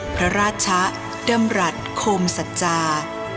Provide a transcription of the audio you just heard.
พระราชะดำรัฐโคมสัจจา